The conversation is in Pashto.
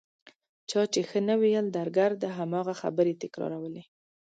چا چې ښه نه ویل درګرده هماغه خبرې تکرارولې.